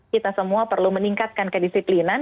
kita semua perlu meningkatkan kedisiplinan